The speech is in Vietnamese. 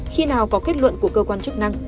khi nào có kết luận của cơ quan chức năng